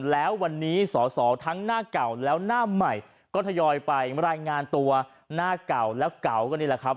แล้ววันนี้สอสอทั้งหน้าเก่าแล้วหน้าใหม่ก็ทยอยไปรายงานตัวหน้าเก่าแล้วเก่าก็นี่แหละครับ